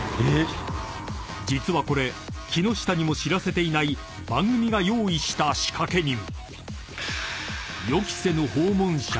［実はこれ木下にも知らせていない番組が用意した仕掛け人］